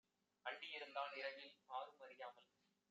அண்டியிருந் தான்இரவில் ஆரும் அறியாமல்!